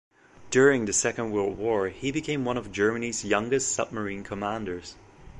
During the Second World War he became one of Germany's youngest submarine commanders.